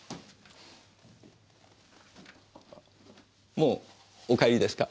もうお帰りですか？